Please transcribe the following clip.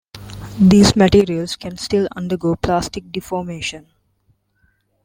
These materials can still undergo plastic deformation.